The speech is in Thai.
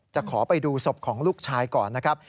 ขอไปดูศพของลูกชายก่อนนะครับ